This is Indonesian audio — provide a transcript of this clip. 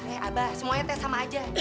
eh abah semuanya tes sama aja